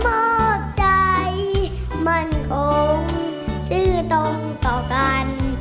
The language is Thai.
มอบใจมั่นคงซื้อตรงต่อกัน